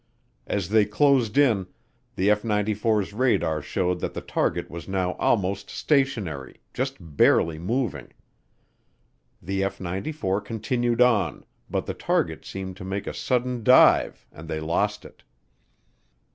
As they closed in, the F 94's radar showed that the target was now almost stationary, just barely moving. The F 94 continued on, but the target seemed to make a sudden dive and they lost it.